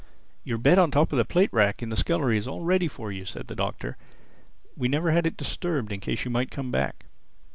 "Your bed on top of the plate rack in the scullery is all ready for you," said the Doctor. "We never had it disturbed in case you might come back."